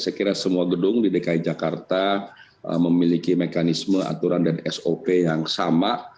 saya kira semua gedung di dki jakarta memiliki mekanisme aturan dan sop yang sama